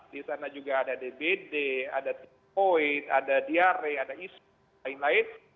di sana juga ada dbd ada tipoid ada diare ada isu lain lain